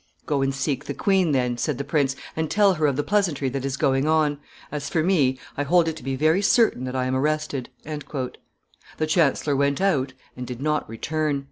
"Go and seek the queen then," said the prince, "and tell her of the pleasantry that is going on; as for me, I hold it to be very certain that I am arrested." The chancellor went out, and did not return.